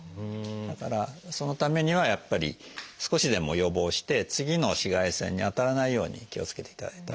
だからそのためにはやっぱり少しでも予防して次の紫外線に当たらないように気をつけていただきたいと。